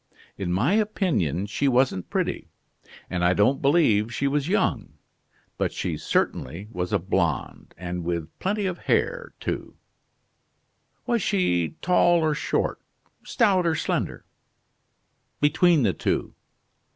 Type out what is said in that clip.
"In my opinion she wasn't pretty, and I don't believe she was young, but she certainly was a blonde, and with plenty of hair too." "Was she tall or short, stout or slender?" "Between the two."